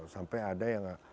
sampai ada yang